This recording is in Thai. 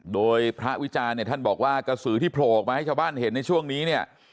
โดยพระวิจารณ์เนี่ยท่านบอกว่ากระสือที่โผล่ออกมาให้ชาวบ้านเห็นในช่วงนี้เนี่ย